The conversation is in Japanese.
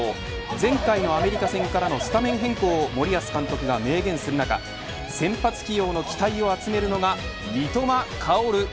前回のアメリカ戦からのスタメン変更を森保監督が明言する中先発起用の期待を集めるのが三笘薫。